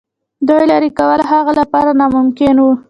دوی لیري کول د هغه لپاره ناممکن وه.